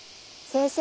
先生